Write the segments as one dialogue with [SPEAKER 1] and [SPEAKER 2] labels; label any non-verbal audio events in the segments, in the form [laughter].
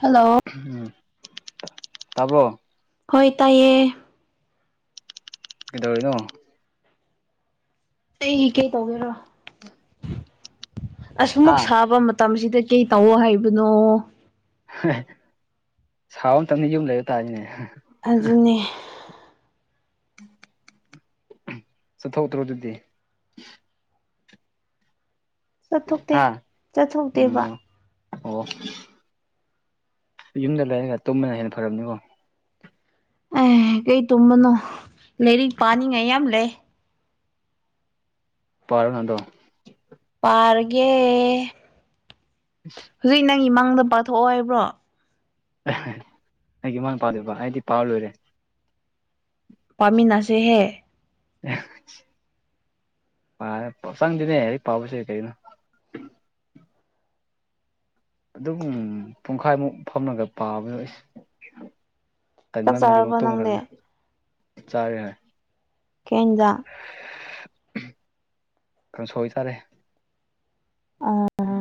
[SPEAKER 1] hello
[SPEAKER 2] ꯎꯝ ꯇꯥꯕꯣ
[SPEAKER 1] ꯍꯣꯏ ꯇꯥꯏꯌꯦ
[SPEAKER 2] ꯀꯩꯗꯧꯔꯤꯅꯣ
[SPEAKER 1] ꯑꯩ ꯀꯩ ꯇꯧꯒꯦꯔꯣ ꯑꯁꯨꯃꯛ
[SPEAKER 2] ꯍꯥꯥ
[SPEAKER 1] ꯁꯥꯕ ꯃꯇꯝꯁꯤꯗ ꯀꯩ ꯇꯧꯑꯣ ꯍꯥꯏꯕꯅꯣ
[SPEAKER 2] ꯁꯥꯥꯎꯇꯗ ꯌꯨꯝ ꯂꯩꯕ ꯇꯥꯔꯤꯅꯦ
[SPEAKER 1] ꯑꯗꯨꯅꯦ
[SPEAKER 2] ꯆꯠꯊꯣꯛꯇ꯭ꯔꯣ ꯑꯗꯨꯗꯤ
[SPEAKER 1] ꯆꯠꯊꯣꯛꯇꯦ
[SPEAKER 2] ꯍꯥꯥ ꯎ
[SPEAKER 1] ꯆꯠꯊꯣꯛꯇꯦꯕ
[SPEAKER 2] ꯑꯣ ꯌꯨꯝꯗ ꯂꯩꯔꯒ ꯇꯨꯝꯕꯅ ꯍꯟꯅ ꯐꯔꯕꯅꯤꯀꯣ
[SPEAKER 1] ꯑꯦ ꯀꯩ ꯇꯨꯝꯕꯅꯣ ꯂꯥꯏꯔꯤꯛ ꯄꯥꯅꯤꯡꯉꯥꯏ ꯌꯥꯝ ꯂꯩ
[SPEAKER 2] ꯄꯥꯔꯅꯗꯣ
[SPEAKER 1] ꯄꯥꯔꯒꯦ ꯍꯧꯖꯤꯛ ꯅꯪ ꯏꯃꯥꯡꯗ ꯄꯥꯛꯊꯣꯛꯑꯣ ꯍꯥꯏꯕ꯭ꯔꯣ
[SPEAKER 2] ꯑꯩꯒꯤ ꯏꯃꯥꯅꯄꯥꯗꯕ ꯑꯩꯗꯤ ꯄꯥ ꯂꯣꯏꯔꯦ
[SPEAKER 1] ꯄꯥꯃꯤꯟ ꯅꯁꯦꯍꯦ
[SPEAKER 2] ꯄꯥꯔꯦ ꯆꯪꯗꯦꯅꯦ ꯂꯥꯏꯔꯤꯛ ꯄꯥꯕꯁꯦ ꯀꯩꯅꯣ ꯑꯗꯨꯝ ꯄꯨꯡꯈꯥꯏꯃꯨꯛ ꯐꯝꯃꯒ ꯄꯥꯕꯗ ꯑꯩꯁ
[SPEAKER 1] ꯆꯥꯛ
[SPEAKER 2] ꯍꯥꯏꯃꯟꯅꯒꯤ
[SPEAKER 1] ꯆꯥꯔꯕꯣ
[SPEAKER 2] ꯑꯃꯨꯛ
[SPEAKER 1] ꯅꯪꯗꯤ
[SPEAKER 2] ꯇꯣꯡꯈ꯭ꯔꯅꯤ ꯆꯥꯔꯦ ꯍꯥꯏ
[SPEAKER 1] ꯀꯦꯟꯖ
[SPEAKER 2] ꯀꯩꯅꯣ ꯁꯣꯏꯇꯥꯔꯦ
[SPEAKER 1] ꯑꯥ
[SPEAKER 2] ꯎ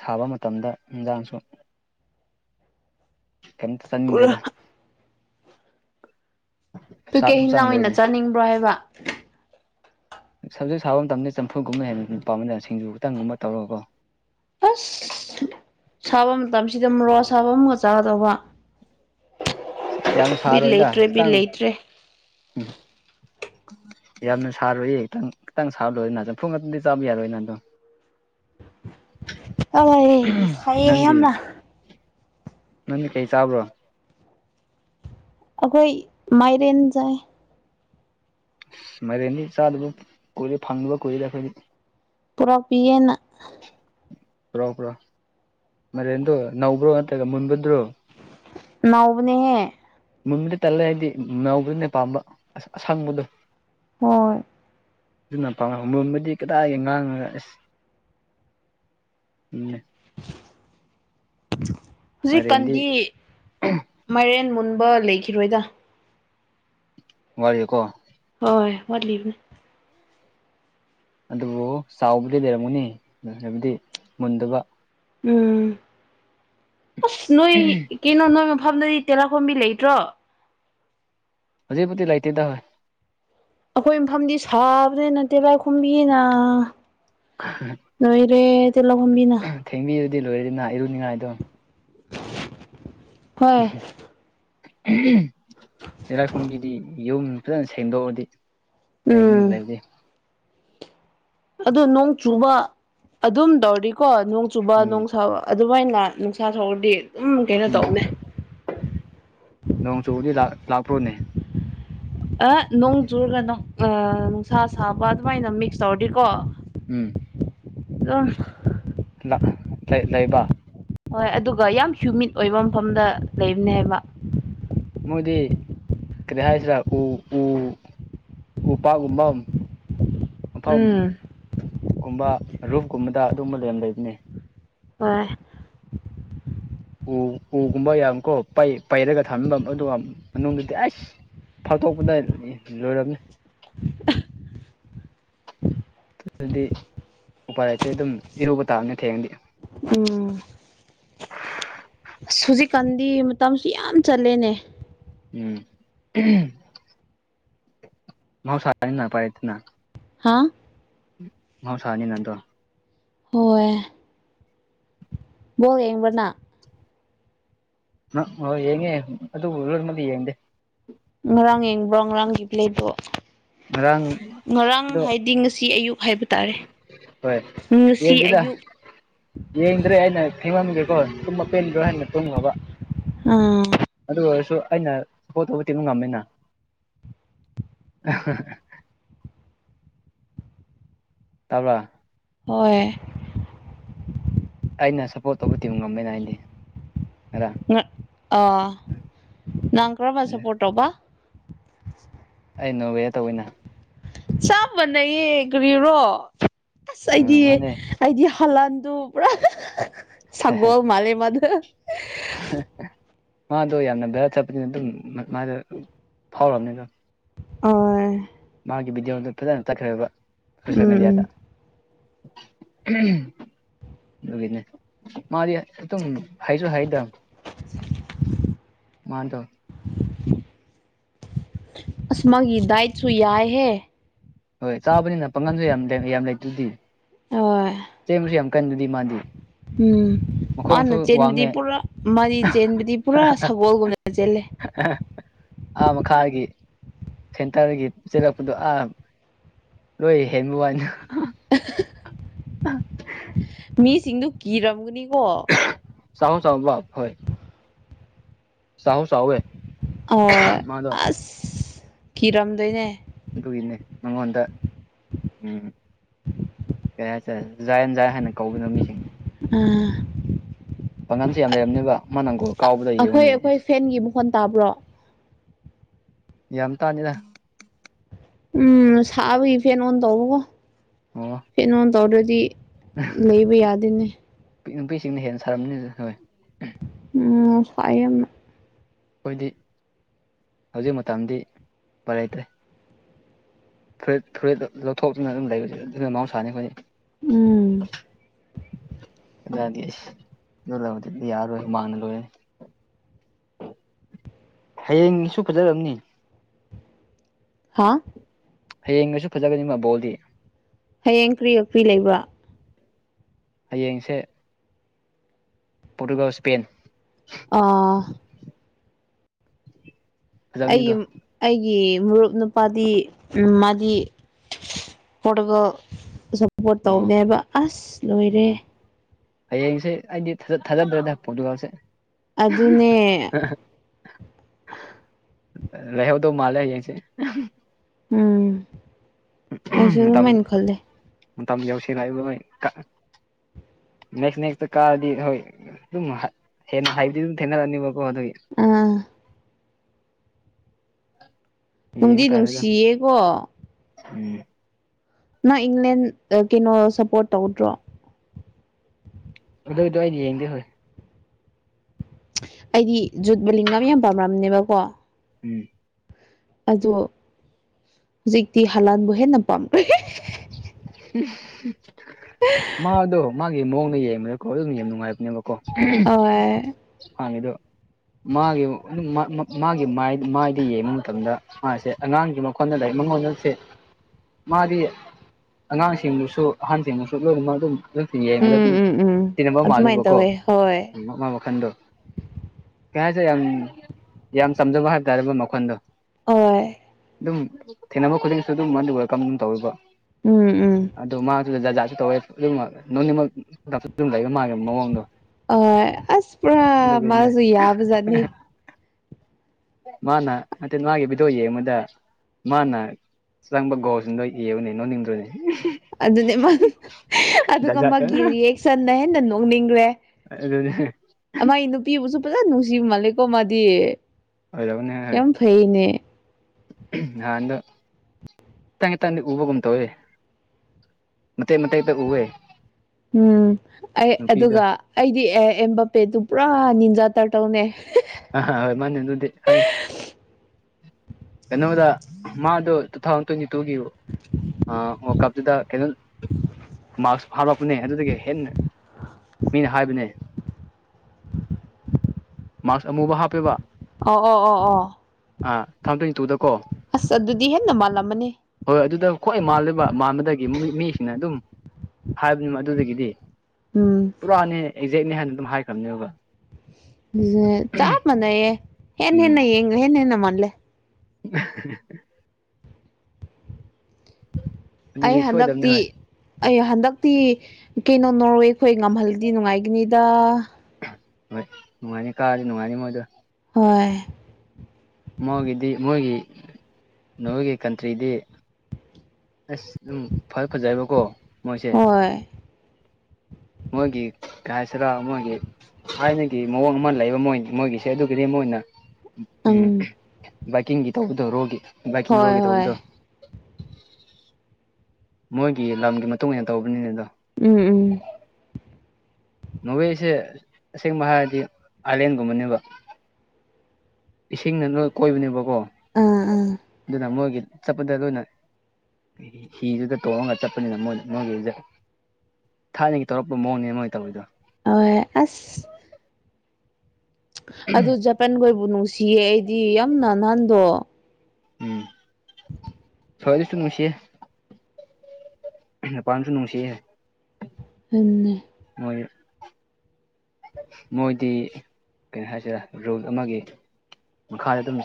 [SPEAKER 2] ꯁꯥꯕ ꯃꯇꯝꯗ ꯏꯟꯖꯥꯡꯁꯨ ꯀꯇ
[SPEAKER 1] ꯄꯨꯔꯥ
[SPEAKER 2] ꯆꯟꯗꯦꯗ
[SPEAKER 1] ꯇꯨ ꯀꯦ
[SPEAKER 2] ꯆꯥꯛꯁꯨ
[SPEAKER 1] ꯍꯤꯟꯖꯥꯡ ꯑꯣꯏꯅ
[SPEAKER 2] ꯆꯪꯗ꯭ꯔꯦꯅꯦ
[SPEAKER 1] ꯆꯥꯅꯤꯡꯕ꯭ꯔꯣ ꯍꯥꯏꯕ
[SPEAKER 2] ꯁꯞꯖꯦꯛ ꯁꯥꯕ ꯃꯇꯝꯗ ꯆꯝꯨꯒꯨꯝꯕ ꯍꯦꯟꯅ ꯄꯥꯝꯕꯗꯅ ꯁꯤꯡꯖꯨ ꯇꯪꯒꯨꯝꯕ ꯇꯧꯔꯒꯀꯣ
[SPEAKER 1] ꯑꯁ ꯁꯥꯕ ꯃꯇꯝꯁꯤꯗ ꯃꯣꯔꯣ ꯁꯥꯕ ꯑꯃꯒ ꯆꯥꯒꯗꯧꯕ
[SPEAKER 2] ꯌꯥꯝ
[SPEAKER 1] ꯕꯤꯜ
[SPEAKER 2] ꯁꯥꯔꯣꯏꯗ
[SPEAKER 1] ꯂꯩꯇ꯭ꯔꯦ ꯕꯤꯜ
[SPEAKER 2] ꯈꯤꯇꯪ
[SPEAKER 1] ꯂꯩꯇ꯭ꯔꯦ
[SPEAKER 2] ꯌꯥꯝꯅ ꯁꯥꯔꯣꯏꯏ ꯈꯤꯇꯪ ꯈꯤꯇꯪ ꯁꯥꯔꯨꯨꯔꯣꯏꯅ ꯆꯝꯐꯨ ꯉꯥꯛꯛꯇꯗꯤ ꯆꯥꯕ ꯌꯥꯔꯣꯏꯅ ꯑꯗꯣ
[SPEAKER 1] [inaudible] ꯑꯩ ꯁꯥꯏꯌꯦ
[SPEAKER 2] ꯅꯪꯗꯤ
[SPEAKER 1] ꯌꯥꯝꯅ
[SPEAKER 2] ꯅꯪꯗꯤ ꯀꯩ ꯆꯥꯕ꯭ꯔꯣ
[SPEAKER 1] ꯑꯩꯈꯣꯏ ꯃꯥꯏꯔꯦꯟꯁꯥꯏ
[SPEAKER 2] ꯑ ꯃꯔꯦꯟꯅꯤ ꯆꯥꯗꯕ ꯀꯨꯏꯔꯦ ꯐꯪꯗꯕ ꯀꯨꯏꯔꯦ ꯑꯩꯈꯣꯏꯗꯤ
[SPEAKER 1] ꯄꯨꯔꯛ ꯄꯅ
[SPEAKER 2] ꯄꯨ꯭ꯔꯥꯎ ꯄꯨ꯭ꯔꯥꯎ ꯃꯔꯦꯟꯗꯣ ꯅꯧꯕ꯭ꯔꯣ ꯅꯠꯇ꯭ꯔꯒ ꯃꯨꯟꯕꯗ꯭ꯔꯣ
[SPEAKER 1] ꯅꯎꯕꯅꯦꯍꯦ
[SPEAKER 2] ꯃꯟꯃꯤꯗ ꯇꯜꯂꯦ ꯍꯥꯏꯗꯤꯅꯥꯎꯕꯗꯨꯅꯦ ꯄꯥꯝꯕ ꯑ ꯑꯁꯥꯡꯕꯗꯣ
[SPEAKER 1] ꯍꯣꯏ
[SPEAKER 2] ꯑꯗꯨꯅ ꯄꯥꯉ ꯃꯔꯃꯗꯤ ꯀꯗꯥꯏꯗꯒꯤ ꯉꯥꯡꯉꯒ ꯑꯁ ꯎꯝ ꯃꯥꯏꯔꯦꯟꯗꯤ
[SPEAKER 1] ꯍꯧꯖꯤꯛꯀꯥꯟꯗꯤ ꯃꯥꯏꯔꯦꯟ ꯃꯨꯟꯕ ꯂꯩꯈꯤꯔꯣꯏꯗ
[SPEAKER 2] ꯋꯥꯔꯤꯀꯣ
[SPEAKER 1] ꯍꯣꯏ ꯋꯥꯠꯂꯤꯕ
[SPEAKER 2] ꯑꯗꯨꯕꯨ ꯆꯥꯎꯕꯨꯗꯤ ꯂꯩꯔꯝꯒꯅꯤ ꯍꯥꯏꯕꯗꯤ ꯃꯨꯟꯗꯕ
[SPEAKER 1] ꯎꯝ ꯑꯁ ꯅꯣꯏꯣꯏ ꯀꯩꯅꯣ ꯅꯣꯏ ꯃꯐꯝꯗꯗꯤ ꯇꯦꯔꯥꯈꯣꯝꯕꯤ ꯂꯩꯇ꯭ꯔꯣ
[SPEAKER 2] ꯍꯧꯖꯤꯛꯄꯨꯗꯤ ꯂꯩꯇꯦꯗ ꯍꯣꯏ
[SPEAKER 1] ꯑꯩꯈꯣꯏ ꯃꯐꯝꯗꯤ ꯁꯥꯕꯅꯦ ꯅꯠꯇꯦ ꯂꯥꯏꯈꯨꯝꯕꯤꯅ ꯅꯣꯏꯔꯦ ꯇꯤꯂ ꯀꯝꯕꯤꯅ
[SPEAKER 2] ꯊꯦꯡꯕꯤꯗꯨꯗꯤ ꯂꯣꯏꯔꯦꯗꯅ ꯏꯔꯨꯅꯤꯡꯉꯥꯏꯗꯣ
[SPEAKER 1] ꯍꯣꯏ
[SPEAKER 2] ꯏꯔꯥꯏꯈꯨꯝꯕꯤꯗꯤ ꯌꯨꯝ ꯐꯖꯅ ꯁꯦꯡꯗꯣꯛꯑꯗꯤ ꯂꯩꯩꯅꯤꯡ
[SPEAKER 1] ꯎꯝ
[SPEAKER 2] ꯂꯩ ꯏꯗꯤ
[SPEAKER 1] ꯑꯗꯨ ꯅꯣꯡ ꯆꯨꯕ ꯑꯗꯨꯝ ꯇꯧꯔꯤꯀꯣ ꯅꯣꯡ ꯆꯨꯕ
[SPEAKER 2] ꯎꯝ
[SPEAKER 1] ꯅꯣꯡ ꯁꯥꯕ ꯑꯗꯨꯕꯨ ꯑꯩꯅ ꯅꯨꯡꯁꯥ ꯁꯣꯛꯔꯗꯤ ꯑꯗꯨꯝ ꯀꯩꯅꯣ
[SPEAKER 2] ꯎꯝ
[SPEAKER 1] ꯇꯧꯅꯦ
[SPEAKER 2] ꯅꯣꯡ ꯆꯨꯕꯗꯤ ꯂꯥꯛꯄ꯭ꯔꯣꯅꯦ
[SPEAKER 1] ꯑ ꯅꯣꯡ ꯆꯨꯔꯒ ꯅꯨꯡꯁꯥ ꯁꯥꯕ ꯑꯗꯨꯃꯥꯏꯅ ꯃꯤꯛꯁ ꯇꯧꯔꯗꯤꯀꯣ
[SPEAKER 2] ꯎꯝ
[SPEAKER 1] ꯑ
[SPEAKER 2] ꯂꯩ ꯂꯩꯕ
[SPEAKER 1] ꯍꯣꯏ ꯑꯗꯨꯒ ꯌꯥꯝ ꯍ꯭ꯌꯨꯃꯤꯠ ꯑꯣꯏꯕ ꯃꯐꯝꯗ ꯂꯩꯕꯅꯦ ꯍꯥꯏꯕ
[SPEAKER 2] ꯃꯣꯏꯗꯤ ꯀꯔꯤ ꯍꯥꯏꯁꯤꯔꯥ ꯎ ꯎ ꯎ ꯄꯥꯛꯒꯨꯝꯕ ꯃꯐꯝ
[SPEAKER 1] ꯎꯝ
[SPEAKER 2] ꯀꯨꯝꯕ ꯔꯨꯐꯀꯨꯝꯕꯗ ꯑꯗꯨꯒꯨꯝꯕ ꯂꯩꯔ ꯂꯩꯕꯅꯤ
[SPEAKER 1] ꯍꯣꯏ
[SPEAKER 2] ꯎ ꯎꯒꯨꯝꯕ ꯌꯥꯝ ꯀꯣ ꯄꯩꯔꯒ ꯊꯝꯃꯕ ꯑꯗꯨꯒ ꯃꯅꯨꯡꯗꯗꯨꯗꯤ ꯑꯁ ꯐꯥꯠꯇꯣꯛꯄꯗ ꯂꯣꯏꯝꯅꯤ ꯑꯗꯨꯗꯤ ꯎꯄꯔꯥꯏꯇꯤ ꯑꯗꯨꯝ ꯏꯔꯨꯕ ꯇꯥꯕꯅꯦ ꯊꯦꯡꯅꯗꯤ
[SPEAKER 1] ꯎꯝ ꯑꯁ ꯍꯧꯖꯤꯛꯀꯥꯟꯗꯤ ꯃꯇꯝꯁꯨ ꯌꯥꯝ ꯆꯠꯂꯦꯅꯦ
[SPEAKER 2] ꯎꯝ ꯃꯍꯧꯁꯥꯅ ꯄꯥꯏꯠꯇꯅ
[SPEAKER 1] ꯍꯥꯥ
[SPEAKER 2] ꯃꯍꯧꯁꯥꯅꯤ ꯅꯪꯗꯣ
[SPEAKER 1] ꯍꯣꯏ ꯕꯜꯂ ꯌꯦꯡꯕꯅ
[SPEAKER 2] ꯑꯣ ꯌꯦꯡꯉꯦ ꯑꯗꯨꯕꯨ ꯂꯔꯃꯗꯤ ꯌꯦꯡꯗꯦ
[SPEAKER 1] ꯉꯔꯥꯡ ꯌꯦꯡꯕ꯭ꯔꯣ ꯉꯔꯥꯡꯒꯤ ꯂꯩꯕ꯭ꯔꯣ
[SPEAKER 2] ꯉꯔꯥꯡꯗꯣ
[SPEAKER 1] ꯉꯔꯥꯡ ꯍꯥꯏꯗꯤ ꯉꯁꯤ ꯑꯌꯨꯛ ꯍꯥꯏꯕ ꯇꯔꯦ
[SPEAKER 2] ꯍꯣꯏ
[SPEAKER 1] ꯅꯨꯡꯁꯤ
[SPEAKER 2] ꯌꯦꯡꯗꯦꯗ
[SPEAKER 1] ꯑꯌꯨꯛ
[SPEAKER 2] ꯌꯦꯡꯗ꯭ꯔꯦ ꯑꯩꯅ ꯊꯤꯃꯝꯒꯦꯀꯣ ꯁꯨꯝ ꯃꯄꯦꯟꯗ꯭ꯔꯣ ꯍꯟꯅ ꯇꯨꯝꯉꯕ
[SPEAKER 1] ꯑꯥ
[SPEAKER 2] ꯑꯗꯨ ꯑꯣꯏꯔꯁꯨ ꯑꯩꯅ ꯁꯞꯄꯣꯔꯠ ꯇꯧꯕ ꯇꯤꯕ ꯉꯝꯃꯤꯅ ꯇꯕ
[SPEAKER 1] ꯍꯣꯏ
[SPEAKER 2] ꯑꯩꯅ ꯁꯞꯄꯣꯔꯠ ꯇꯧꯕ ꯇꯤꯝ ꯉꯝꯃꯦꯅ ꯑꯩꯗꯤ ꯈꯔ
[SPEAKER 1] ꯅꯪ ꯀꯔꯕ ꯁꯞꯄꯣꯔꯠ ꯇꯧꯕ
[SPEAKER 2] ꯑꯩ ꯅꯣꯕꯦ ꯇꯧꯅ
[SPEAKER 1] ꯆꯥꯕꯅꯌꯦ ꯀꯔꯤꯔꯣ ꯑꯁ
[SPEAKER 2] ꯎꯝ
[SPEAKER 1] ꯑꯩꯗꯤ
[SPEAKER 2] ꯃꯥꯅꯦ
[SPEAKER 1] ꯍꯥꯏꯗꯤ ꯍꯜꯥꯟ ꯇꯨ ꯄꯨꯔꯥ ꯁꯒꯣꯂ ꯃꯜꯦ ꯃꯗꯣ
[SPEAKER 2] ꯃꯥꯗꯣ ꯌꯥꯝꯅ ꯚꯦꯔꯥꯠ ꯆꯠꯄꯗꯨꯅ ꯑꯗꯨꯝ ꯃꯥꯗ ꯐꯥꯎꯕꯅꯤꯗꯝ
[SPEAKER 1] ꯑꯣ
[SPEAKER 2] ꯃꯥꯒꯤ ꯚꯤꯗꯤꯑꯣꯗꯣ ꯐꯖꯅ ꯆꯠꯈ꯭ꯔꯦꯕ
[SPEAKER 1] ꯎꯝ
[SPEAKER 2] ꯁꯣꯁꯤꯦꯜ
[SPEAKER 1] ꯎꯝ
[SPEAKER 2] ꯃꯦꯗꯤꯌꯥꯗ ꯑꯗꯨꯒꯤꯅꯦ ꯃꯥꯗꯤ ꯑꯗꯨꯝ ꯍꯥꯏꯁꯨ ꯍꯥꯏꯗ ꯃꯥꯗꯣ
[SPEAKER 1] ꯑꯁꯃꯒꯤ ꯗꯥꯏꯠꯁꯨ ꯌꯥꯏꯍꯦ
[SPEAKER 2] ꯍꯣꯏ ꯆꯥꯕꯅꯤꯅ ꯄꯥꯉꯜꯁꯨ ꯌꯥꯝ ꯌꯥꯝ ꯂꯩꯇ꯭ꯔꯗꯤ
[SPEAKER 1] ꯑꯣꯏ
[SPEAKER 2] ꯆꯦꯟꯕꯁꯨ ꯌꯥꯝ ꯀꯟꯗꯨꯗꯤ ꯃꯥꯗꯤ
[SPEAKER 1] ꯎꯝ ꯃꯥꯅ
[SPEAKER 2] ꯃꯈꯣꯡꯁꯨ
[SPEAKER 1] ꯆꯦꯟꯕꯗꯤ
[SPEAKER 2] ꯋꯥꯡꯉꯦ
[SPEAKER 1] ꯄꯨꯔꯥ ꯃꯔꯤ ꯆꯦꯟꯕꯗꯤ ꯄꯨꯔꯥ ꯁꯒꯣꯜꯒꯨꯝꯕꯅ ꯆꯦꯜꯂꯦ
[SPEAKER 2] ꯑꯥ ꯃꯈꯥꯒꯤ ꯁꯦꯟꯇꯔꯒꯤ ꯆꯤꯂꯛꯄꯗꯣ ꯑꯥ ꯂꯣꯏ ꯍꯦꯟꯕ ꯋꯥꯅ
[SPEAKER 1] [unintelligible] ꯃꯤꯁꯤꯡꯗꯨ ꯀꯤꯔꯝꯒꯅꯤꯀꯣ
[SPEAKER 2] ꯍꯥ ꯆꯧ ꯆꯧꯕ ꯍꯣꯏ ꯆꯧꯑ ꯆꯧꯑ
[SPEAKER 1] ꯍꯣꯏ ꯑꯁ ꯀꯤꯔꯝꯗꯣꯏꯅꯦ
[SPEAKER 2] ꯑꯗꯨꯏꯅꯦ ꯃꯉꯣꯟꯗ ꯎꯝ ꯀꯩ ꯍꯥꯏꯁꯔꯦ ꯖꯥꯏ ꯑꯦꯟ ꯖꯥꯏ ꯍꯥꯏꯅ ꯀꯧꯕꯗꯣꯃꯤꯁꯤꯡ
[SPEAKER 1] ꯎꯝ
[SPEAKER 2] ꯄꯪꯉꯜꯁꯦ ꯌꯥꯝ ꯂꯩꯔꯝꯃꯦꯕ ꯃꯥ ꯅꯪꯒꯣ
[SPEAKER 1] ꯑꯩꯈꯣꯏ ꯑꯩꯈꯣꯏ ꯐꯦꯟꯒꯤ ꯃꯈꯣꯟ ꯇꯥꯕ꯭ꯔꯣ
[SPEAKER 2] ꯌꯥꯝ ꯇꯥꯗꯦꯗꯥ
[SPEAKER 1] ꯎꯝ ꯁꯥꯕꯒꯤ ꯐꯦꯟ ꯑꯣꯟ ꯇꯧꯕꯀꯣ
[SPEAKER 2] ꯑꯣ
[SPEAKER 1] ꯐꯦꯟ ꯑꯣꯟ ꯇꯧꯗꯔꯗꯤ ꯂꯩꯕ ꯌꯥꯗꯦꯅꯦ
[SPEAKER 2] ꯅꯨꯄꯤꯁꯤꯡꯅ ꯍꯦꯟꯅ ꯁꯥꯔꯝꯅꯤ ꯍꯣꯏ
[SPEAKER 1] ꯎꯝ ꯁꯥꯏ ꯌꯥꯝꯅ
[SPEAKER 2] ꯑꯩꯈꯣꯏꯗꯤ ꯍꯧꯖꯤꯛ ꯃꯇꯝꯗꯤ ꯎꯄꯥꯏ ꯂꯩꯇ꯭ꯔꯦ ꯐꯨꯔꯤꯠ ꯐꯨꯔꯤꯠ ꯂꯧꯊꯣꯛꯇꯅ ꯑꯗꯨꯝ ꯂꯩꯕꯁꯦ ꯑꯗꯨꯅ ꯃꯍꯧꯁꯥꯅꯤ ꯑꯩꯈꯣꯏꯗꯤ
[SPEAKER 1] ꯎꯝ
[SPEAKER 2] ꯑꯗꯨꯅꯗꯤ ꯑꯁ ꯑꯗꯨꯂꯩꯗꯗꯤ ꯌꯥꯔꯔꫭꯏ ꯍꯨꯃꯥꯡꯅ ꯂꫭꯏꯔꯅꯤ ꯍꯌꯦꯡꯁꯨ ꯐꯖꯔꯝꯅꯤ
[SPEAKER 1] ꯍꯥ
[SPEAKER 2] ꯍꯌꯦꯡꯒꯁꯨ ꯐꯖꯒꯅꯤꯕ ꯕꯣꯜꯗꯤ
[SPEAKER 1] ꯍꯌꯦꯡ ꯀ꯭ꯔꯤꯒ ꯀ꯭ꯔꯤ ꯂꯩꯕ꯭ꯔꯥ
[SPEAKER 2] ꯍꯌꯦꯡꯁꯦ ꯄꯣꯔꯇꯨꯒꯜ ꯏꯁꯄꯦꯟ
[SPEAKER 1] ꯑꯥ ꯑꯩꯒꯤ
[SPEAKER 2] ꯐꯖꯒꯅꯤꯗꯣ
[SPEAKER 1] ꯑꯩꯒꯤ ꯃꯔꯨꯞ ꯅꯨꯄꯥꯗꯤ ꯃꯥꯗꯤ ꯄꫭꯔꯇꯨꯒꯜ ꯁꯄꯣꯔꯠ
[SPEAKER 2] ꯑꯣ
[SPEAKER 1] ꯇꯧꯗꯦ ꯍꯥꯏꯕ ꯑꯁ ꯂꯣꯏꯔꯦ
[SPEAKER 2] ꯑꯣ ꯍꯌꯦꯡꯁꯦ ꯑꯩꯗꯤ ꯊ ꯊꯥꯖꯗ꯭ꯔꯦꯗ ꯄꯔꫭꯇꯨꯒꯜꯁꯦ
[SPEAKER 1] ꯑꯗꯨꯅꯦ
[SPEAKER 2] ꯂꯩꯍꯧꯗꯧ ꯃꯥꯜꯂꯦ ꯍꯌꯦꯡꯁꯦ
[SPEAKER 1] ꯎꯝ ꯑꯩꯁꯨ
[SPEAKER 2] ꯃꯇꯝ
[SPEAKER 1] ꯑꯗꯨꯝꯥꯏꯅ ꯈꯜꯂꯦ
[SPEAKER 2] ꯃꯇꯝ ꯌꯧꯁꯤꯜꯂ ꯅꯦꯛꯁ ꯅꯦꯛꯁꯇ ꯀꯥꯔꯗꯤ ꯍꯣꯏ ꯑꯗꯨꯝ ꯍꯥꯏ ꯍꯦꯟꯅ ꯍꯥꯏꯗꯤ ꯊꯦꯡꯅꯔꯅꯤꯕꯀꫭ ꯑꯗꯨꯒꯤ
[SPEAKER 1] ꯑꯥ ꯅꯨꯡꯗꯤ
[SPEAKER 2] ꯌꯦꯡꯕ ꯇꯥꯔꯦꯗ
[SPEAKER 1] ꯅꯨꯡꯁꯤꯌꯦꯀꯣ
[SPEAKER 2] ꯎꯝ
[SPEAKER 1] ꯅꯪ ꯏꯪꯂꯦꯟ ꯀꯩꯅꯣ ꯁꯞꯄꯣꯔꯠ ꯇꯧꯗ꯭ꯔꯣ
[SPEAKER 2] ꯑꯗꯨꯏꯗꯣ ꯑꯩꯗꯤ ꯌꯦꯡꯗꯦ ꯍꯣꯏ
[SPEAKER 1] ꯑꯩꯗꯤ ꯖꯨꯠꯕꯂꯤꯉꯝ ꯌꯥꯝ ꯄꯥꯝꯃꯝꯅꯦꯕꯀꯣ
[SPEAKER 2] ꯎꯝ
[SPEAKER 1] ꯑꯗꯣ ꯍꯧꯖꯤꯛꯇꯤ ꯍꯂꯥꯟꯕꯨ ꯍꯦꯟꯅ ꯄꯥꯝꯈ꯭ꯔꯦ
[SPEAKER 2] ꯃꯥꯗꯣ ꯃꯥꯒꯤ ꯃꯑꯣꯡꯗ ꯌꯦꯡꯕꯗꯀꯣ ꯑꯗꯨꯝ ꯌꯥꯝ ꯅꯨꯡꯉꯥꯏꯕ ꯅꯦꯕꯀꯣ ꯎꯝ
[SPEAKER 1] ꯍꯣꯏ
[SPEAKER 2] ꯃꯥꯒꯤꯗꯨ ꯃꯥꯒꯤ-ꯃꯥꯒꯤ ꯃꯥꯏꯗ ꯃꯥꯏꯗ ꯌꯦꯡꯕ ꯃꯇꯝꯗ ꯃꯥꯁꯦ ꯑꯉꯥꯡꯒꯤ ꯃꯈꯣꯟꯗ ꯂꯥꯏꯔꯤꯛ ꯃꯉꯣꯟꯗꯁꯦ ꯃꯥꯗꯤ ꯑꯉꯥꯡꯁꯤꯡꯅꯁꯨ ꯑꯍꯟꯁꯤꯡꯅꯁꯨ ꯂꯣꯏꯅꯃꯛ ꯑꯗꯨꯝ ꯄꯨꯂꯞ ꯌꯦꯡꯕꯗ
[SPEAKER 1] ꯎꯝ
[SPEAKER 2] ꯑꯗꯨꯝ
[SPEAKER 1] ꯎꯝ ꯎꯝ
[SPEAKER 2] ꯇꯤꯟꯅꯕ
[SPEAKER 1] ꯑꯗꯨꯃꯥꯏꯅ
[SPEAKER 2] ꯃꯥꯜꯂꯕꯀꯣ
[SPEAKER 1] ꯇꯧꯋꯦ ꯍꯣꯏ
[SPEAKER 2] ꯃꯥ ꯃꯥꯈꯟꯗꯨ ꯀꯩ ꯍꯥꯏꯁꯤꯔ ꯌꯥꯝ-ꯌꯥꯝ ꯆꯝꯖꯕ ꯍꯥꯏꯕꯇꯥꯥꯔꯦꯕ ꯃꯈꯣꯟꯗꯣ
[SPEAKER 1] ꯑꯣꯏ
[SPEAKER 2] ꯑꯗꯨꯝ ꯊꯦꯡꯅꯕ ꯈꯨꯗꯤꯡꯁꯨ ꯑꯗꯨꯝ ꯃꯗꯤ ꯋꯦꯜꯀꯝ ꯑꯗꯨꯝ ꯇꯧꯋꯦꯕ
[SPEAKER 1] ꯎꯝ-ꯎꯝ
[SPEAKER 2] ꯑꯗꯨ ꯃꯥꯗꯨ ꯖꯥꯖꯥꯠꯁꯨ ꯇꯧꯋꯦ ꯑꯗꯨꯃꯛ ꯅꯣꯏꯅꯤꯃꯛ ꯂꯩꯕ ꯃꯥꯒꯤ ꯃꯑꯣꯡꯗꯣ
[SPEAKER 1] ꯑꯣꯏ ꯑꯁ ꯄꯨꯔꯥ
[SPEAKER 2] ꯑꯗꯨꯒꯤꯅꯦ
[SPEAKER 1] ꯃꯥꯁꯨ ꯌꯥꯕꯖꯥꯅꯤ
[SPEAKER 2] ꯃꯥꯅ ꯅꯠꯇꯦ ꯃꯥꯒꯤ ꯚꯤꯗꯤꯑꯣ ꯌꯦꯡꯕꯗꯥ ꯃꯥꯅꯥ ꯆꯪꯕ ꯒꯣꯜꯁꯤꯡꯗꯣ ꯌꯦꯡꯉꯣꯅꯦ ꯅꯣꯅꯤꯡꯗ꯭ꯔꯣꯅꯦ
[SPEAKER 1] ꯑꯗꯨꯅꯤ ꯑꯗꯨꯒ
[SPEAKER 2] ꯖꯥꯠꯇ
[SPEAKER 1] ꯃꯥꯒꯤ ꯔꯤꯌꯦꯛꯁꯟꯅ ꯍꯦꯟꯅ ꯅꯣꯛꯅꯤꯡꯈ꯭ꯔꯦ
[SPEAKER 2] ꯑꯗꯨꯅꯦ
[SPEAKER 1] ꯃꯥꯏ ꯅꯨꯄꯤꯕꯨꯁꯨ ꯐꯖꯅ ꯅꯨꯡꯁꯤꯕ ꯃꯥꯜꯂꯦꯀꯣ ꯃꯥꯗꯤ
[SPEAKER 2] ꯑꯣꯏꯔ꯭ꯝꯅꯤ ꯍꯣꯏ
[SPEAKER 1] ꯌꯥꯝ ꯐꯩꯅꯦ
[SPEAKER 2] ꯅꯍꯟꯗꯣ ꯈꯤꯇꯪ-ꯈꯤꯇꯪꯗꯤ ꯎꯕꯒꯨꯝ ꯇꯧꯋꯦ ꯃꯇꯦꯛ ꯃꯇꯦꯛꯇ ꯎꯦ
[SPEAKER 1] ꯎꯝ ꯑꯩ ꯑꯗꯨꯒ ꯑꯩꯗꯤ ꯑꯦ-ꯑꯦꯝ ꯕꯄꯦꯇꯨ ꯄꯨꯔꯥ ꯅꯤꯟꯖꯥ ꯇꯔꯇꯜꯅꯦ
[SPEAKER 2] ꯑ ꯍꯣꯏ ꯃꯥꯅꯦ ꯑꯗꯨꯗꯤ ꯈꯪꯉꯦ ꯀꯩꯅꯣꯗ ꯃꯥꯗꯣ ꯇꯨꯊꯥꯎꯖꯟꯇ꯭ꯋꯦꯟꯇꯤꯇꯨꯒꯤ ꯋꯥꯔꯀꯞ ꯇꯨꯗ ꯀꯩꯅꯣ ꯃꯥꯛꯁ ꯍꯥꯞꯂꯛꯄꯅꯦ ꯑꯗꯨꯗꯒꯤ ꯍꯦꯟꯅ ꯃꯤꯅ ꯍꯥꯏꯕꯅꯦ
[SPEAKER 1] [inaudible]
[SPEAKER 2] ꯃꯥꯛꯁ ꯑꯃꯨꯕ ꯍꯥꯞꯄꯦꯕ
[SPEAKER 1] ꯑꯣ-ꯑꯣ-ꯑꯣ-ꯑꯣ
[SPEAKER 2] ꯑꯥ ꯊꯧꯎꯖꯟꯇ꯭ꯋꯦꯟꯇꯤꯇꯨ ꯗꯀꯣ
[SPEAKER 1] ꯑꯁ ꯑꯗꯨꯗꯤ ꯍꯦꯟꯅ ꯃꯥꯜꯂꯝꯃꯅꯦ
[SPEAKER 2] ꯍꯣꯏ ꯑꯗꯨꯗ ꯈ꯭ꯋꯥꯏ ꯃꯥꯜꯂꯦꯕ ꯃꯥꯟꯕꯗꯒꯤ ꯃꯤꯁꯤꯡꯅ ꯑꯗꯨꯝ ꯍꯥꯏꯕꯅꯤ ꯑꯗꯨꯗꯒꯤꯗꯤ
[SPEAKER 1] ꯎꯝ
[SPEAKER 2] ꯄꯨꯔꯥꯅꯦ ꯑꯦꯛꯖꯦꯛꯅꯤ ꯍꯥꯏꯅ ꯑꯗꯨꯝ ꯍꯥꯏꯈ꯭ꯔꯕꯅꯦꯕ
[SPEAKER 1] ꯆꯥꯞ ꯃꯥꯟꯅꯩꯌꯦ
[SPEAKER 2] ꯎꯝ
[SPEAKER 1] ꯍꯦꯟꯅ-ꯍꯦꯟꯅ ꯌꯦꯡꯂꯒ ꯍꯦꯟꯅ-ꯍꯦꯟꯅ ꯃꯜꯂꯦ
[SPEAKER 2] [unintelligible]
[SPEAKER 1] ꯑꯩ
[SPEAKER 2] ꯑꯗꯨꯗꯤ ꯁꯣꯏꯗꯕꯅꯤ
[SPEAKER 1] ꯍꯟꯗꯛꯇꯤ
[SPEAKER 2] ꯍꯣꯏ
[SPEAKER 1] ꯑꯩ ꯍꯟꯗꯛꯇꯤ ꯀꯩꯅꯣ ꯅꯣꯔꯋꯦꯈꯣꯏ ꯉꯝꯍꯜꯗꯤ ꯅꯨꯡꯉꯥꯏꯒꯅꯤꯗ
[SPEAKER 2] ꯍꯣꯏ ꯅꯨꯡꯉꯥꯏꯅꯤ ꯀꯥꯔꯗꯤ ꯅꯨꯡꯉꯥꯏꯅꯤ ꯃꯣꯏꯗꯣ
[SPEAKER 1] ꯍꯣꯏ
[SPEAKER 2] ꯃꯣꯏꯒꯤꯗꯤ ꯃꯣꯏꯒꯤ ꯅꯣꯔꯋꯦꯒꯤ ꯀꯟꯇ꯭ꯔꯤꯗꯤ ꯑꯁ ꯑꯗꯨꯝ ꯐꯗꯤ ꯐꯖꯩꯕꯀꯣ ꯃꯣꯏꯁꯦ
[SPEAKER 1] ꯍꯣꯏ
[SPEAKER 2] ꯃꯣꯏꯒꯤ ꯀꯥꯏꯁꯤꯔꯥ ꯃꯣꯏꯒꯤ ꯊꯥꯏꯅꯒꯤ ꯃꯑꯣꯡ ꯑꯃ ꯂꯩꯕ ꯃꯣꯏ-ꯃꯣꯏꯒꯤꯁꯦ ꯑꯗꯨꯒꯤꯗꯤ ꯃꯣꯏꯅ ꯎꯝ ꯕꯥꯏꯛꯀꯤꯡꯒꯤ ꯇꯧꯕꯗꯣ ꯔꯣꯒꯤ ꯕꯥꯏꯛꯀꯤꯡ
[SPEAKER 1] ꯍꯣꯏ
[SPEAKER 2] ꯔꯣꯒꯤ
[SPEAKER 1] ꯍꯣꯏ
[SPEAKER 2] ꯇꯧꯕꯗꯣ ꯃꯣꯏꯒꯤ ꯂꯝꯒꯤ ꯃꯇꯨꯡ ꯏꯟꯅ ꯇꯧꯕꯅꯤꯅꯦ ꯑꯗꯣ
[SPEAKER 1] ꯎꯝ ꯎꯝ
[SPEAKER 2] ꯅꯣꯕꯦꯁꯦ ꯑꯁꯦꯡꯕ ꯍꯥꯏꯔꯗꯤ ꯑꯥꯏꯂꯦꯟꯒꯨꯝꯕꯅꯦꯕ ꯏꯁꯤꯡꯅ ꯅꯣꯏ ꯀꯣꯏꯕꯅꯦꯕꯀꯣ
[SPEAKER 1] ꯎꯝ ꯎꯝ
[SPEAKER 2] ꯗꯨꯅ ꯃꯣꯏꯒꯤ ꯆꯠꯄꯗ ꯅꯣꯏꯅꯥ ꯍꯤꯗꯨꯗ ꯇꯣꯡꯉꯒ ꯆꯠꯄꯅꯤꯅ ꯃꯣꯏ ꯃꯣꯏꯒꯤꯖꯦ ꯊꯥꯏꯅꯒꯤ ꯇꯧꯔꯛꯄ ꯃꯑꯣꯡꯅꯦ ꯃꯣꯏ ꯇꯧꯔꯤꯗꯣ
[SPEAKER 1] ꯑꯣꯏ ꯑꯁ ꯑꯗꯨ ꯖꯄꯥꯟꯈꯣꯏꯕꯨ ꯅꯨꯡꯁꯤꯌꯦ ꯑꯩꯗꯤ ꯌꯥꯝꯅ ꯅꯍꯥꯟꯗꯣ
[SPEAKER 2] ꯎꯝ [unintelligible] ꯅꯨꯡꯁꯤꯌꯦ [unintelligible] ꯅꯨꯡꯁꯤꯌꯦ
[SPEAKER 1] ꯑꯟꯅꯦ
[SPEAKER 2] ꯃꯣꯏ ꯃꯣꯏꯗꯤ ꯀꯩ ꯍꯥꯏꯁꯤꯔ ꯔꯨꯜ ꯑꯃꯒꯤ ꯃꯈꯥꯗ ꯑꯗꯨꯝ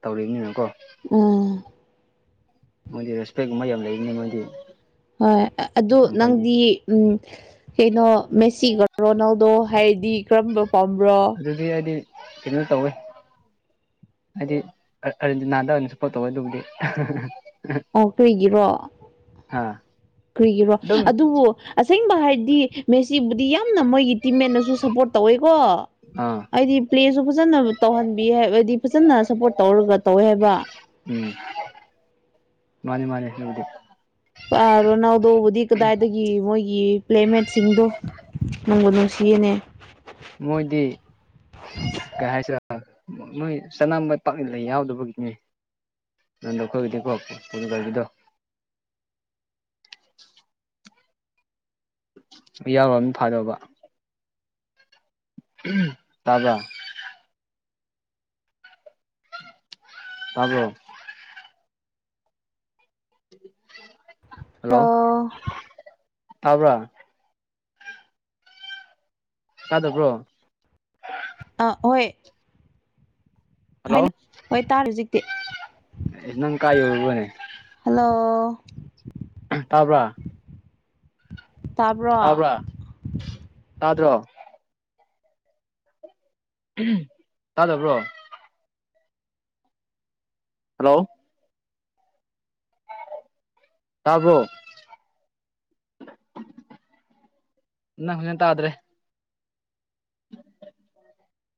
[SPEAKER 2] ꯇꯧꯔꯤꯕꯅꯤꯅ ꯀꯣ
[SPEAKER 1] ꯎꯝ
[SPEAKER 2] ꯃꯣꯏꯗꯤ ꯔꯦꯁꯄꯦꯛꯒꯨꯝꯕ ꯌꯥꯝ ꯂꯩꯕꯅꯤ ꯃꯣꯏꯗꯤ
[SPEAKER 1] ꯍꯣꯏ ꯑꯗꯨ
[SPEAKER 2] ꯃꯈꯣꯏꯗꯤ
[SPEAKER 1] ꯅꯪꯗꯤ ꯎꯝ ꯀꯩꯅꯣ ꯃꯦꯁꯤꯒ ꯔꯣꯅꯥꯜꯗꯣ ꯍꯥꯏꯔꯗꯤ ꯀꯔꯝꯕ ꯄꯥꯝꯕ꯭ꯔꯣ
[SPEAKER 2] ꯑꯗꯨꯗꯤ ꯑꯩꯗꯤ ꯀꯩꯅꯣ ꯇꯧꯋꯦ ꯍꯥꯏꯗꯤ ꯑꯔꯦꯟꯇꯤꯅꯥꯗ ꯑꯣꯢꯅ ꯁꯄꯣꯔꯠ ꯇꯧꯋꯦ ꯑꯗꯨꯕꯨꯗꯤ
[SPEAKER 1] ꯑꯣ ꯀꯔꯤꯒꯤꯔꯣ
[SPEAKER 2] ꯑꯥ
[SPEAKER 1] ꯀꯔꯤꯒꯤꯔꯣ
[SPEAKER 2] ꯑꯗꯨꯝ
[SPEAKER 1] ꯑꯗꯨꯕꯨ ꯑꯁꯦꯡꯕ ꯍꯥꯏꯔꯗꯤ ꯃꯦꯁꯤꯕꯨꯗꯤ ꯌꯥꯝꯅ ꯃꯣꯏꯒꯤ ꯇꯤꯝꯃꯦꯠꯅꯁꯨ ꯁꯞꯄꯣꯔꯠ ꯇꯧꯋꯦꯀꯣ
[SPEAKER 2] ꯑꯥ
[SPEAKER 1] ꯑꯩꯗꯤ ꯄ꯭ꯂꯦꯁꯨ ꯐꯖꯅ ꯇꯧꯍꯟꯕꯤ ꯍꯥꯏꯗꯤ ꯐꯖꯅ ꯁꯞꯄꯣꯔꯠ ꯇꯧꯔꯒ ꯇꯧꯋꯦ ꯍꯥꯏꯕ
[SPEAKER 2] ꯎꯝ ꯃꯥꯅꯤ ꯃꯥꯅꯦꯗꯤ
[SPEAKER 1] ꯄꯥ ꯔꯣꯅꯥꯜꯗꯣꯕꯨꯗꯤ ꯀꯗꯥꯏꯗꯒꯤ ꯃꯣꯏꯒꯤ ꯄ꯭ꯂꯦꯃꯦꯠꯁꯤꯡꯗꯣ ꯅꯨꯡꯕꯨ ꯅꯨꯡꯁꯤꯌꯦꯅꯦ
[SPEAKER 2] ꯃꯣꯏꯗꯤ ꯀꯩ ꯍꯥꯏꯁꯤꯔꯥ ꯃꯣꯏ [unintelligible] ꯄꯥꯛꯅ ꯂꯩ ꯌꯥꯎꯗꯕꯒꯤꯅꯦ ꯅꯟꯗ ꯈꯣꯏꯒꯤꯗꯤꯀꯣ ꯄꯣꯔꯇꯨꯒꯜꯒꯤ ꯗꯣ [unintelligible] ꯐꯥꯗꯧꯕ ꯎꯝ ꯇꯥꯕꯔꯥ ꯇꯥꯕꯔꯣ ꯍꯜꯂꯣ ꯇꯕ꯭ꯔꯥ ꯇꯥꯗꯕ꯭ꯔꯣ
[SPEAKER 1] ꯑꯥ ꯍꯣꯏ
[SPEAKER 2] ꯍꯜꯂꯣ
[SPEAKER 1] ꯍꯣꯏ ꯇꯥꯔꯦ ꯍꯨꯖꯤꯛꯇꯤ
[SPEAKER 2] ꯅꯪ ꯀꯥꯏ ꯌꯧꯔꯨꯕꯅꯦ
[SPEAKER 1] ꯍꯜꯂꯣ
[SPEAKER 2] ꯇꯥꯕ꯭ꯔꯥ
[SPEAKER 1] ꯇꯥꯕ꯭ꯔꯣ
[SPEAKER 2] ꯇꯥꯕ꯭ꯔꯥ ꯇꯥꯗ꯭ꯔꯣ ꯎꯝ ꯇꯥꯗꯕ꯭ꯔꯣ ꯍꯜꯂꯣ ꯇꯥꯕ꯭ꯔꯣ ꯅꯪ ꯐꯖꯅ ꯇꯥꯗ꯭ꯔꯦ